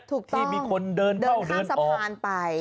ถูกต้องเข้าสะพานไปที่มีคนเดินเข้าเดินออก